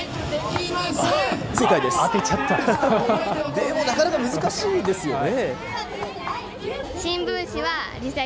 でもなかなか難しいですよね。